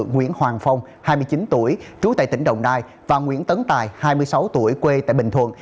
nguyễn hoàng phong hai mươi chín tuổi trú tại tỉnh đồng nai và nguyễn tấn tài hai mươi sáu tuổi quê tại bình thuận